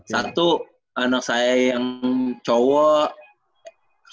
satu anak saya yang cowok